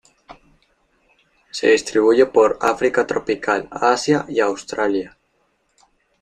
Se distribuye por África tropical, Asia y Australia.